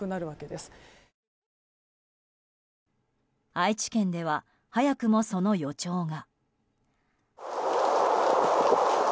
愛知県では早くも、その予兆が。